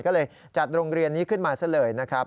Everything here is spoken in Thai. ก็เลยจัดโรงเรียนนี้ขึ้นมาซะเลยนะครับ